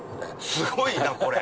すごいな、これ。